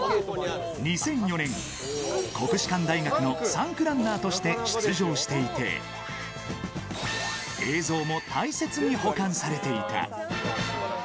２００４年、国士舘大学の３区ランナーとして出場していて、映像も大切に保管されていた。